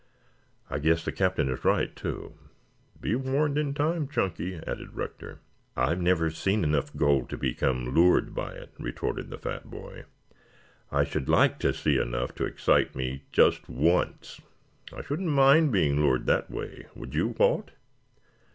"I guess the Captain is right, too." "Be warned in time, Chunky," added Rector. "I've never seen enough gold to become lured by it," retorted the fat boy. "I should like to see enough to excite me just once. I shouldn't mind being lured that way. Would you, Walt?"